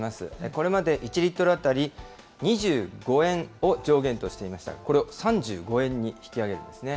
これまで１リットル当たり２５円を上限としていましたが、これを３５円に引き上げるんですね。